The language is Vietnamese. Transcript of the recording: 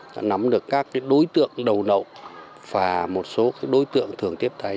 đã nắm được các cái đối tượng đầu nậu và một số cái đối tượng thường tiếp tay